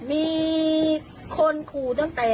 มีคนขู่ตั้งแต่นี้นะครับ